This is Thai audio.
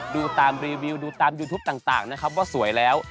ดูตามรีวิวดูตามยูทูปต่างนะครับว่าสวยแล้ว